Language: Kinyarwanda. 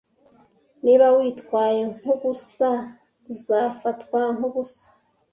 Niba witwaye nkubusa, uzafatwa nkubusa